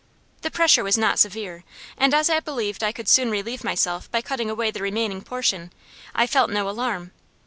The pressure was not severe, and as I believed I could soon relieve myself by cutting away the remaining portion, I felt no alarm.